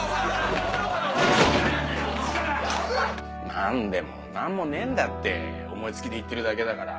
何でも何もねえんだって思い付きで言ってるだけだから。